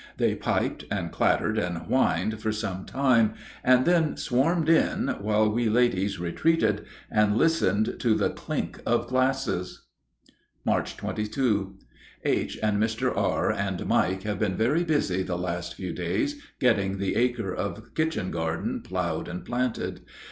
They piped and clattered and whined for some time, and then swarmed in, while we ladies retreated and listened to the clink of glasses. March 22. H., Mr. R., and Mike have been very busy the last few days getting the acre of kitchen garden plowed and planted.